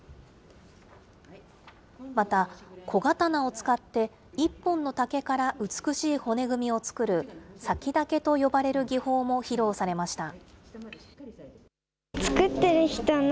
また、小刀を使って、１本の竹から美しい骨組みを作る割竹と呼ばれる技法も披露されました。